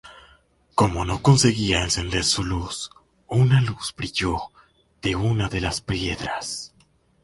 Como no conseguía encender su luz, una luz brilló de una de las piedras.